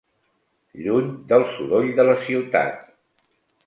Lluny del soroll de la ciutat.